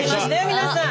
皆さん。